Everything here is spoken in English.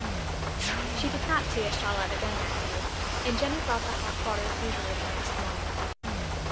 She did not see Estralla again that day, and Jennie brought the hot water as usual the next morning.